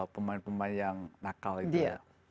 pemain pemain yang nakal itu